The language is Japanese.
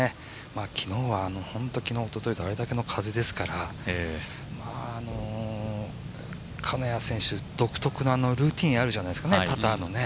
昨日は、昨日、おとといとあれだけの風ですから金谷選手、独特のルーティンあるじゃないですか、パターのね。